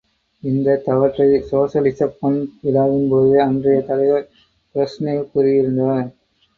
இந்தத் தவற்றை, சோஷலிசப் பொன் விழாவின்போதே அன்றைய தலைவர் பிரஷ்னேவ் கூறியிருந்தார்.